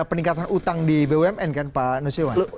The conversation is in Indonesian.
peningkatan utang di bumn kan pak nusirwan